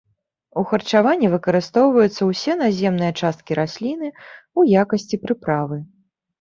У харчаванні выкарыстоўваюцца ўсе наземныя часткі расліны ў якасці прыправы.